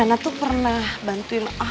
adriana tuh pernah bantuin aku loh